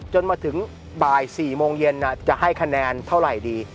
จนมาถึงบ่าย๔โมงเย็นจะให้คะแนนเท่าไหร่ดี